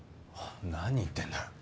何言ってんだ？